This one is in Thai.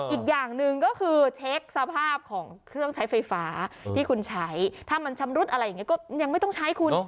อีกอย่างหนึ่งก็คือเช็คสภาพของเครื่องใช้ไฟฟ้าที่คุณใช้ถ้ามันชำรุดอะไรอย่างนี้ก็ยังไม่ต้องใช้คุณ